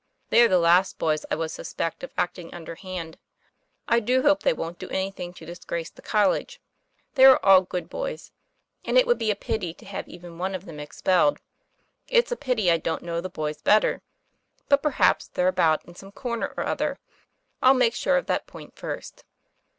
" They are the last boys I would suspect of acting under hand. I do hope they wont do anything to disgrace the college. They're all good boys, and it would be a pity to have even one of them expelled. It's a pity I don't know the boys better. But 'perhaps they're about in some corner or other. I'll make sure of that point first."